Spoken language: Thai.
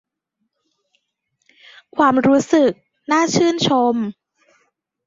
ความรู้สึกน่าชื่นชม